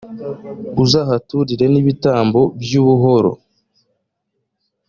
uzahaturire n’ibitambo by’ubuhoro,